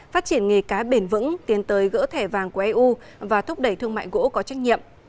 phát triển nghề cá bền vững tiến tới gỡ thẻ vàng của eu và thúc đẩy thương mại gỗ có trách nhiệm